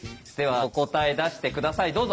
ではお答え出して下さい。